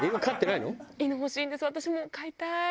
私も飼いたい！